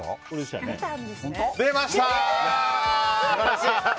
出ましたー！